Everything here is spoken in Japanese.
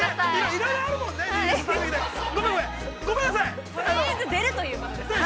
いろいろあるもんね。